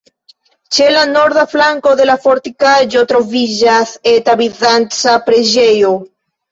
Ĉe la norda flanko de la fortikaĵo troviĝas eta bizanca preĝejo.